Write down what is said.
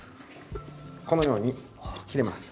このように切れます。